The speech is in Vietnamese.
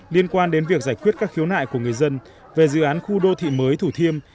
liên quan đến việc giải quyết các khiếu nại của người dân về dự án khu đô thị mới thủ thiêm